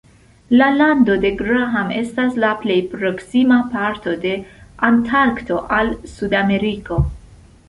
La Lando de Graham estas la plej proksima parto de Antarkto al Sudameriko.